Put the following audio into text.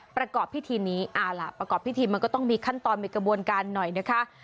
ประกอบพิธีนี้เอาล่ะประกอบพิธีมันก็ต้องมีขั้นตอนมีกระบวนการหน่อยนะคะ